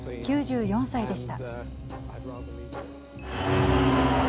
９４歳でした。